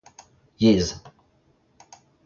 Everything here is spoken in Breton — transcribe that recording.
yezh